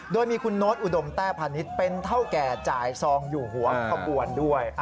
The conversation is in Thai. โดยมีคุณโน๊ตอุดมแต้พาณิชย์เป็นเท่าแก่จ่ายซองอยู่หัวขบวนด้วย